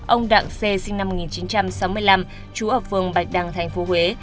ông đặng cê sinh năm một nghìn chín trăm sáu mươi năm chú ở phường bạch đăng thành phố huế